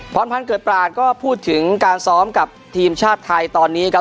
พรพันธ์เกิดปราศก็พูดถึงการซ้อมกับทีมชาติไทยตอนนี้ครับ